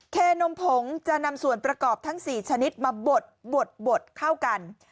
เคนมผงจะนำส่วนประกอบทั้ง๔ชนิดมาบดบดเข้ากัน